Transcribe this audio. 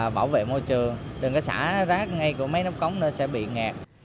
bảo vệ môi trường đừng có xả rác ngay của mấy nắp cống nữa sẽ bị ngạt